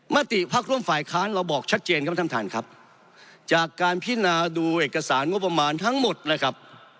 มติพักร่วมฝ่ายค้านเราบอกชัดเจนครับท่านท่านครับจากการพินาดูเอกสารงบประมาณทั้งหมดนะครับ